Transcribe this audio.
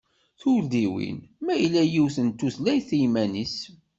Turdiwin: Ma yella yiwet n tutlayt iman-is!